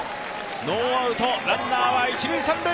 ノーアウト、ランナーは一塁三塁！